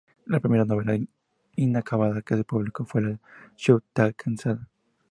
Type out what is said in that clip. La primera novela inacabada que se publicó fue "La ciutat cansada".